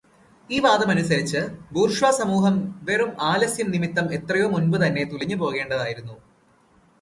ഈ വാദമനുസരിച്ച് ബൂർഷ്വാ സമൂഹം വെറും ആലസ്യം നിമിത്തം എത്രയോ മുമ്പുതന്നെ തുലഞ്ഞുപോകേണ്ടതായരിന്നു.